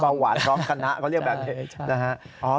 บ่าวหวานร้องคณะก็เรียกแบบนี้นะครับ